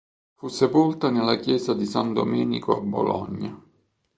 Fu sepolta nella chiesa di San Domenico a Bologna.